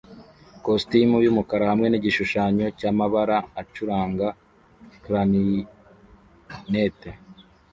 kositimu yumukara hamwe nigishushanyo cyamabara acuranga Clarinet